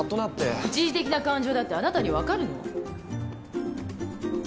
一時的な感情だってあなたに分かるの？